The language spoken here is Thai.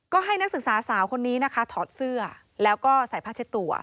ก็ให้นักศึกษาสาวคนนี้นะคะถอดเสื้อแล้วก็ใส่ผ้าเช็ดตัว